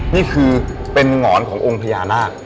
นี่คือเป็นหงอนขององค์พญานาค